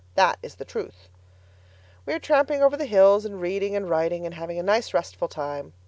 That is the truth. We are tramping over the hills and reading and writing, and having a nice, restful time.